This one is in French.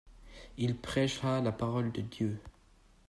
Il prêcha la parole de Dieu.